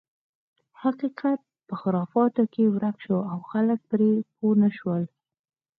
حقیقت په خرافاتو کې ورک شو او خلک یې پرې پوه نه شول.